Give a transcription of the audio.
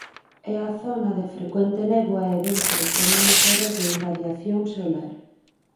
É a zona de frecuente néboa e ventos e menos horas de irradiación solar.